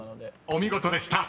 ［お見事でした］